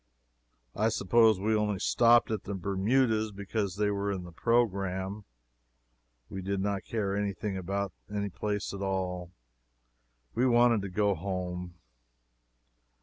I suppose we only stopped at the Bermudas because they were in the programme. We did not care any thing about any place at all. We wanted to go home.